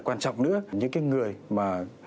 quan trọng nữa những cái người mà